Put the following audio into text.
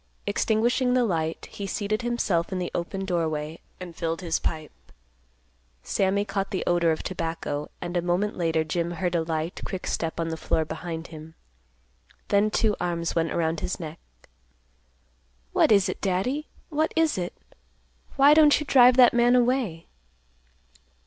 Extinguishing the light, he seated himself in the open doorway, and filled his pipe. Sammy caught the odor of tobacco, and a moment later Jim heard a light, quick step on the floor behind him. Then two arms went around his neck; "What is it, Daddy? What is it? Why don't you drive that man away?"